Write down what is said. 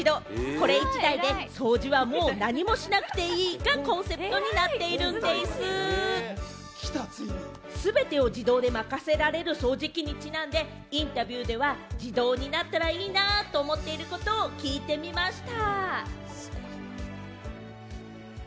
これ１台で掃除はもう何もしなくていいがコンセプトになっているんでぃす！すべてを自動で任せられる掃除機にちなんで、インタビューでは自動になったらいいなと思っていることを聞いてみました。